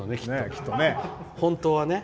きっと、本当はね。